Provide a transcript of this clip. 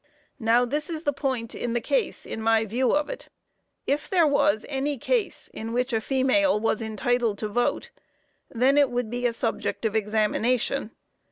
Now, this is the point in the case, in my view of it: If there was any case in which a female was entitled to vote, then it would be a subject of examination.